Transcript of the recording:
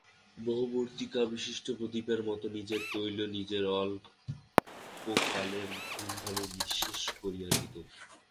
বহুবর্তিকাবিশিষ্ট প্রদীপের মতো নিজের তৈল নিজে অল্পকালের ধুমধামেই নিঃশেষ করিয়া দিত।